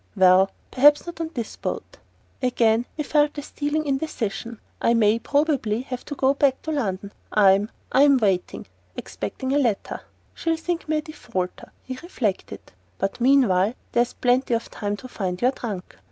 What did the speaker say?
"Well ... perhaps not by this boat." Again he felt a stealing indecision. "I may probably have to go back to London. I'm I'm waiting ... expecting a letter...(She'll think me a defaulter," he reflected.) "But meanwhile there's plenty of time to find your trunk."